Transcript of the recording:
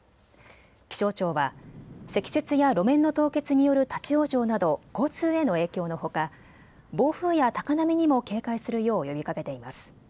気象庁は積雪や路面の凍結による立往生など交通への影響のほか暴風や高波にも警戒するよう呼びかけています。